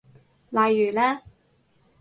例如呢？